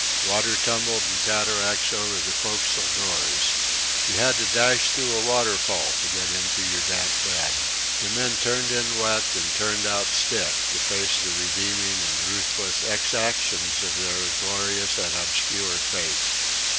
Water tumbled in cataracts over the forecastle doors. You had to dash through a waterfall to get into your damp bed. The men turned in wet and turned out stiff to face the redeeming and ruthless exactions of their glorious and obscure fate.